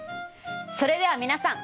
それでは皆さん